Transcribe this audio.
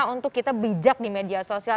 untuk kita bijak di media sosial